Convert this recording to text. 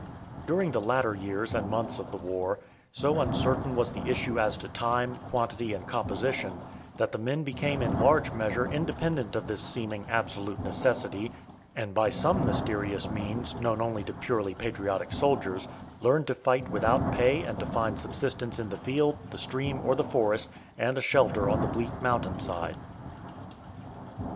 During the latter years and months of the war, so uncertain was the issue as to time, quantity, and composition, that the men became in large measure independent of this seeming absolute necessity, and by some mysterious means, known only to purely patriotic soldiers, learned to fight without pay and to find subsistence in the field, the stream, or the forest, and a shelter on the bleak mountain side.